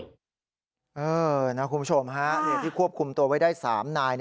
คุณผู้ชมฮะที่ควบคุมตัวไว้ได้๓นาย